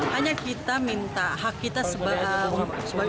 hanya kita minta hak kita sebagai